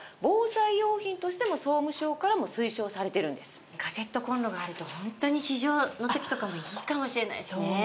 さらにカセットコンロがあるとホントに非常の時とかもいいかもしれないですね。